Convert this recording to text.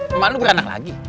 kemarin beranak lagi